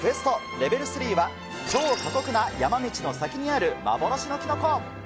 レベル３は超過酷な山道の先にある幻のキノコ。